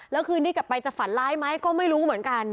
แล้วคืนนี้กลับไปจะฝันร้ายไหมก็ไม่รู้เหมือนกัน